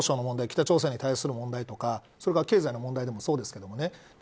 北朝鮮に対する問題とかそれから経済の問題でもそうですけどね。